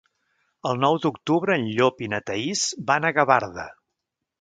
El nou d'octubre en Llop i na Thaís van a Gavarda.